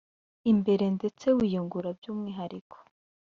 imbere ndetse wiyungura by umwihariko